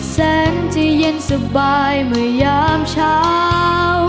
แสนจะเย็นสบายเมื่อยามเช้า